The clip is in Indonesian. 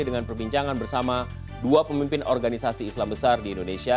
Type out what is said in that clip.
dengan perbincangan bersama dua pemimpin organisasi islam besar di indonesia